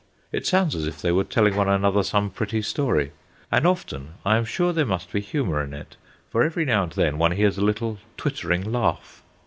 It sounds as if they were telling one another some pretty story, and often I am sure there must be humour in it, for every now and then one hears a little twittering laugh.